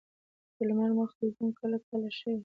د لمر مخو دیدن کله کله ښه وي